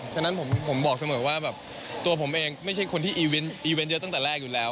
ฉะนั้นผมบอกเสมอว่าแบบตัวผมเองไม่ใช่คนที่อีเวนต์อีเวนต์เยอะตั้งแต่แรกอยู่แล้ว